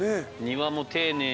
庭も丁寧に。